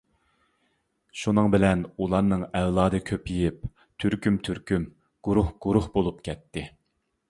شۇنىڭ بىلەن ئۇلارنىڭ ئەۋلادى كۆپىيىپ، تۈركۈم-تۈركۈم، گۇرۇھ-گۇرۇھ بولۇپ كەتتى.